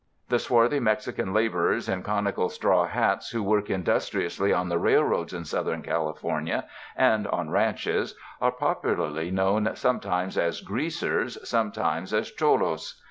The swarthy Mexican laborers in conical straw hats who work industriously on the railroads in Southern California and on ranches, are popularly known sometimes as ''greasers," sometimes as cholos.